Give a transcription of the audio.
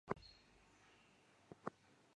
但随即因私开官仓被青州府弹劾。